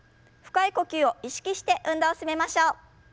深い呼吸を意識して運動を進めましょう。